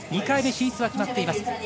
２回目進出は決まっています。